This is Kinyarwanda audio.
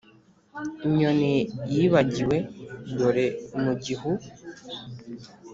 inyoni yibagiwe. dore! mu gihu